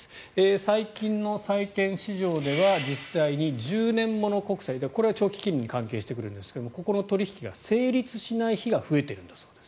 最近の債券市場では実際に１０年物国債これは長期金利が関係してきますがここの取引が成立しない日が増えているんだそうです。